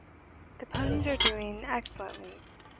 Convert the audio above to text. The ponies are doing excellently.